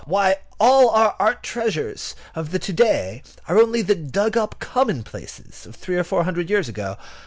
Why, all our art treasures of to day are only the dug up commonplaces of three or four hundred years ago.